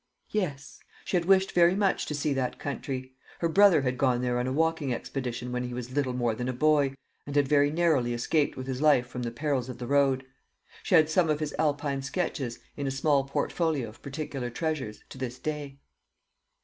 Yes; she had wished very much to see that country. Her brother had gone there on a walking expedition when he was little more than a boy, and had very narrowly escaped with his life from the perils of the road. She had some of his Alpine sketches, in a small portfolio of particular treasures, to this day.